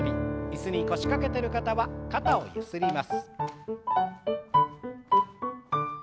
椅子に腰掛けてる方は肩をゆすります。